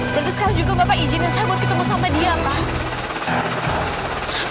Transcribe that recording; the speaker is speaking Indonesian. berarti sekarang juga bapak izinin saya buat ketemu sama dia pak